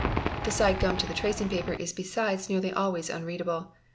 _ The side gummed to the tracing paper is besides nearly always unread "able.